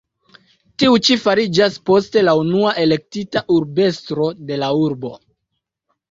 Tiu ĉi fariĝis poste la unua elektita urbestro de la urbo.